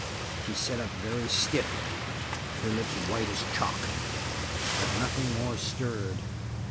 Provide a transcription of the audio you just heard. She set up very stiff, her lips white as chalk, but nothing more stirred.